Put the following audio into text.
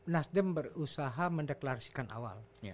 nasdem berusaha mendeklarasikan awal